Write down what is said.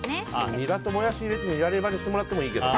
ニラとモヤシ入れてニラレバにしてくれてもいいけど。